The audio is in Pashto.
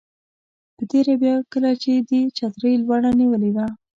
په تېره بیا کله چې دې چترۍ لوړه نیولې وه.